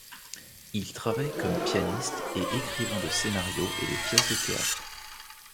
Il travaille comme pianiste et écrivain de scénarios et de pièces de théâtre.